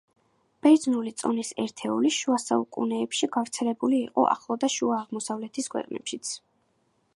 ბერძნული წონის ერთეული; შუა საუკუნეებში გავრცელებული იყო ახლო და შუა აღმოსავლეთის ქვეყნებშიც.